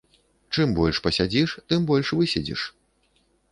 Чым больш пасядзіш, тым больш выседзіш.